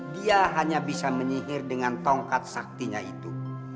dia hanya bisa menyihir dengan tongkat saktinya itu